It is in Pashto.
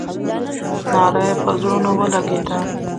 ناره یې پر زړونو ولګېده.